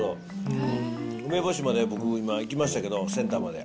梅干しまで僕、いきましたけど、センターまで。